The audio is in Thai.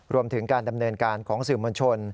รวมถึงการดำเนินการของสื่อมวลชน